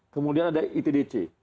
kemudian ada itdc